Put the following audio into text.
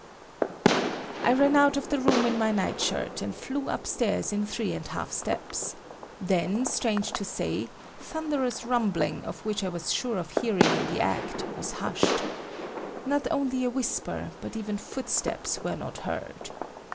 I ran out of the room in my night shirt, and flew upstairs in three and half steps. Then, strange to say, the thunderous rumbling, of which I was sure of hearing in the act, was hushed. Not only a whisper but even footsteps were not heard.